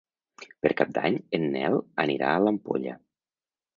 Per Cap d'Any en Nel anirà a l'Ampolla.